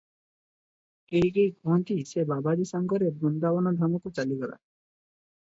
କେହି କେହି କହିନ୍ତି, ସେ ବାବାଜୀ ସାଙ୍ଗରେ ବୃନ୍ଦାବନ ଧାମକୁ ଚାଲିଗଲା ।